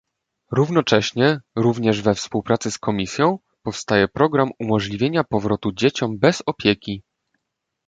Równocześnie, również we współpracy z Komisją, powstaje program umożliwienia powrotu dzieciom bez opieki